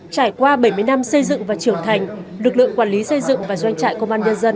trải qua bảy mươi năm xây dựng và trưởng thành lực lượng quản lý xây dựng và doanh trại công an nhân dân